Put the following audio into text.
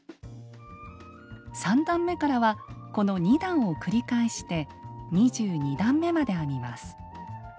３段めからはこの２段を繰り返して２２段めまで編みます。